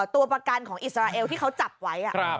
ตัวประกันของอิสราเอลที่เขาจับไว้